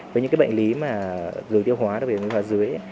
với những bệnh lý mà đường tiêu hóa đặc biệt là bệnh lý hóa dưới